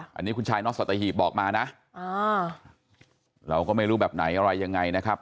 อันนี้คุณชายน้องสัตหีบบอกมานะเราก็ไม่รู้แบบไหนอะไรยังไงนะครับ